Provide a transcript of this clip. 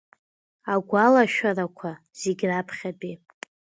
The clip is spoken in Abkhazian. Агәалашәарақәа зегьы раԥхьатәи…